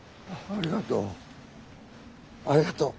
ありがとう。